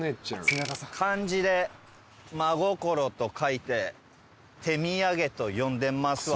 漢字で「真心」と書いて「てみやげ」と読んでますわ。